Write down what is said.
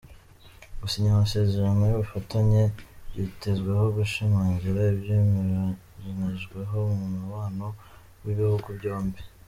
Gusinya amasezerano y’ubufatanye byitezweho gushimangira ibyemeranyijweho mu mubano w’ibihugu byombi.